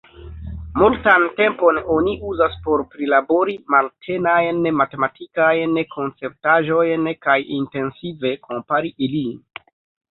Multan tempon oni uzas por prilabori malnetajn matematikajn konceptaĵojn kaj intensive kompari ilin.